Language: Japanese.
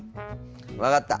分かった！